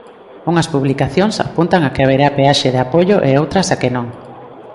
Unhas publicacións apuntan a que haberá peaxe de apoio e outras a que non.